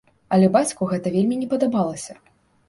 Але бацьку гэта вельмі не падабалася.